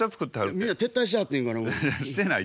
みんな撤退しはってんかなと。